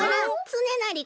つねなり！